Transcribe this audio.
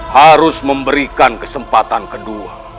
harus memberikan kesempatan kedua